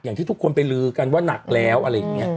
อย่างที่ทุกคนไปลือกันว่าหนักแล้วอะไรอย่างนี้